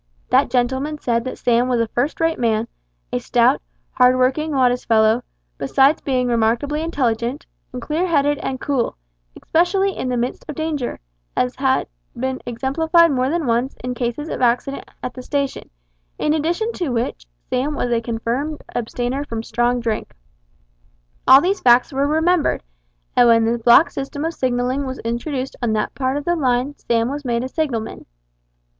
That gentleman said that Sam was a first rate man, a stout, hard working, modest fellow, besides being remarkably intelligent, and clear headed and cool, especially in the midst of danger, as had been exemplified more than once in cases of accident at the station, in addition to which Sam was a confirmed abstainer from strong drink. All these facts were remembered, and when the block system of signalling was introduced on that part of the line Sam was made a signalman.